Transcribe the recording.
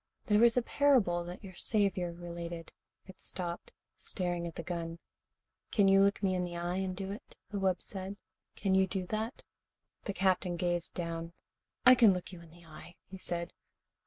There was a parable that your Saviour related " It stopped, staring at the gun. "Can you look me in the eye and do it?" the wub said. "Can you do that?" The Captain gazed down. "I can look you in the eye," he said.